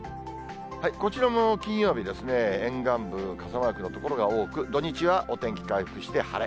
こちらも金曜日、沿岸部、傘マークの所が多く、土日はお天気回復して晴れ。